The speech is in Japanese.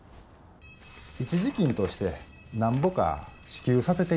一時金としてなんぼか支給させていただきたい。